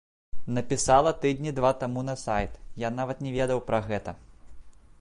Напісала тыдні два таму на сайт, я нават не ведаў пра гэта.